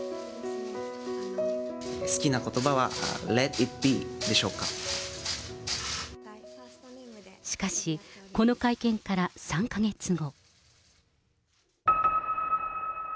好きなことばは、しかし、この会見から３か月後。